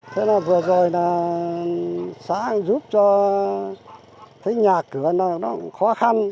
thế là vừa rồi là xã giúp cho thấy nhà cửa nó khó khăn